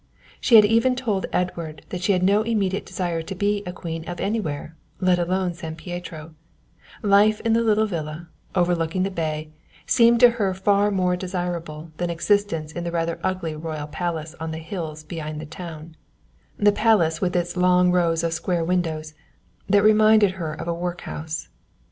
She had even told Edward that she had no immediate desire to be a queen of anywhere, let alone San Pietro life in the little villa, overlooking the bay, seemed to her far more desirable than existence in the rather ugly royal palace on the hills behind the town the palace with its long rows of square windows, that reminded her of a workhouse.